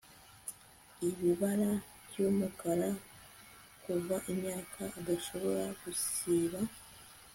Ibibara byumukara kuva imyaka adashobora gusiba